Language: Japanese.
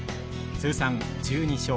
通算１２勝。